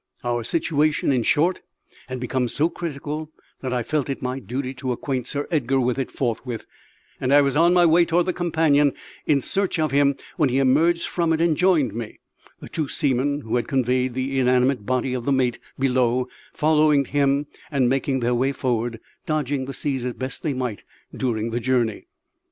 Our situation, in short, had become so critical that I felt it my duty to acquaint Sir Edgar with it forthwith; and I was on my way toward the companion in search of him when he emerged from it and joined me, the two seamen who had conveyed the inanimate body of the mate below following him and making their way forward, dodging the seas as best they might during the journey.